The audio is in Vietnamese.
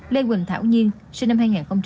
lê quỳnh thảo nhiên sinh năm hai nghìn bốn